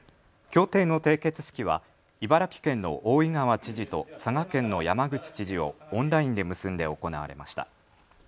協定の締結式は茨城県の大井川知事と佐賀県の山口知事をオンラインで結んで行われました。